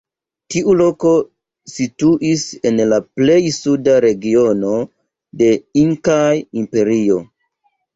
Tiu loko situis en la plej suda regiono de Inkaa imperio.